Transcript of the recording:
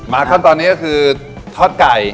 ขั้นตอนนี้ก็คือทอดไก่